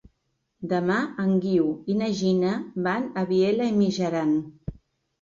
Demà en Guiu i na Gina van a Vielha e Mijaran.